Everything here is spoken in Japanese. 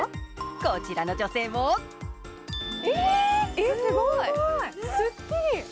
こちらの女性もえっ、すごい、すっきり！